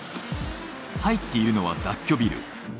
入っているのは雑居ビル。